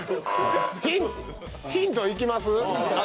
ヒントいきます？